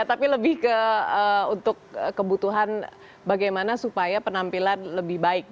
tapi lebih untuk kebutuhan bagaimana supaya penampilan lebih baik